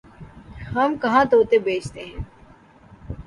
ہم کہاں طوطے بیچتے ہیں